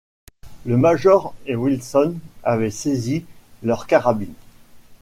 Le major et Wilson avaient saisi leur carabine.